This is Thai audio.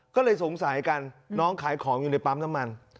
ก็เลยสงสัยกันน้องขายของอยู่ในปั๊มน้ำมัน